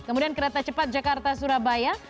kemudian kereta cepat jakarta surabaya